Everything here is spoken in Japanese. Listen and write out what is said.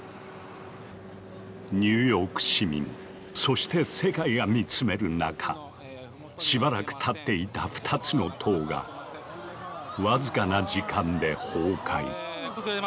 ニューヨーク市民そして世界が見つめる中しばらく立っていた２つの棟が僅かな時間で崩壊。